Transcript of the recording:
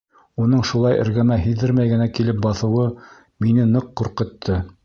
Уның шулай эргәмә һиҙҙермәй генә килеп баҫыуы мине ныҡ ҡурҡытты.